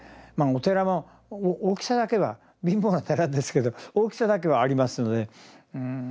お寺も大きさだけは貧乏な寺ですけど大きさだけはありますので。